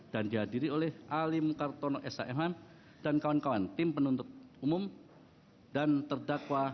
dan dihadiri oleh alim kartono shmh dan kawan kawan tim penuntut umum dan terdakwa